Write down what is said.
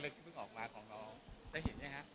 ก็มาของน้องได้เห็นไหมครับ